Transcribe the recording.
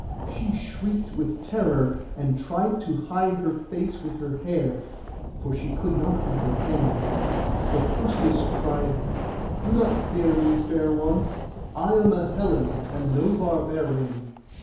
She shrieked with terror, and tried to hide her face with her hair, for she could not with her hands; but Perseus cried— 'Do not fear me, fair one; I am a Hellen, and no barbarian.